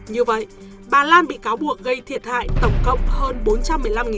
như vậy bà lan bị cáo buộc gây thiệt hại tổng cộng hơn bốn trăm một mươi năm tỷ đồng